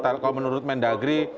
kalau menurut mendagri